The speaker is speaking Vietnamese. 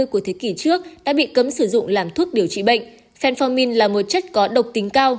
của thế kỷ trước đã bị cấm sử dụng làm thuốc điều trị bệnh phanfin là một chất có độc tính cao